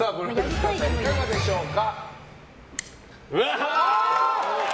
いかがでしょうか。